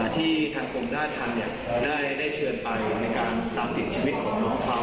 ที่ทางกรมราชธรรมได้เชิญไปในการตามติดชีวิตของน้องเขา